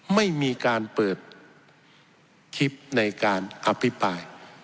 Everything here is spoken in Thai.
ไม่มีการเปิดคลิปในการอภิปราย